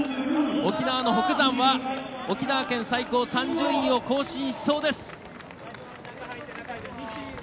沖縄の北山は沖縄県最高３０位を更新しそうです。